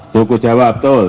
suku jawa betul